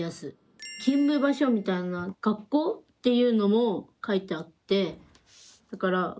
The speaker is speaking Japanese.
勤務場所みたいな学校っていうのも書いてあって。